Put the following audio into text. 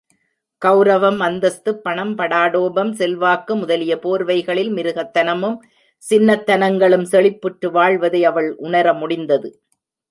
கௌரவம், அந்தஸ்து, பணம், படாடோபம், செல்வாக்கு முதலிய போர்வைகளில் மிருகத்தனமும், சின்னத்தனங்களும், செழிப்புற்று வாழ்வதை அவள் உணர முடிந்தது.